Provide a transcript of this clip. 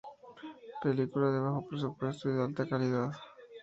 Película de bajo presupuesto y de alta calidad.